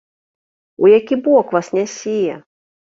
У які бок вас нясе?